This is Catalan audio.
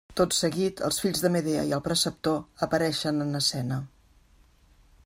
Tot seguit, els fills de Medea i el preceptor apareixen en escena.